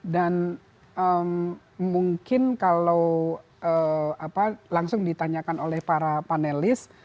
mungkin kalau langsung ditanyakan oleh para panelis